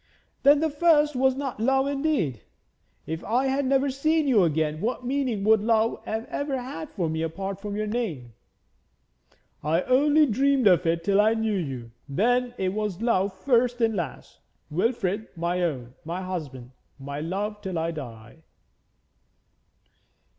'Then the first was not love indeed! If I had never seen you again, what meaning would love have ever had for me apart from your name? I only dreamed of it till I knew you, then it was love first and last. Wilfrid, my own, my husband my love till I die!'